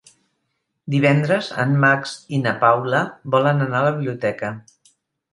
Divendres en Max i na Paula volen anar a la biblioteca.